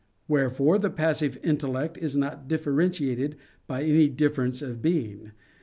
Wherefore the passive intellect is not differentiated by any difference of being.